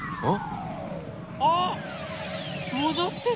あっ！